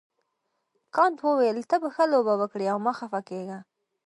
کانت وویل ته به ښه لوبه وکړې او مه خفه کیږه.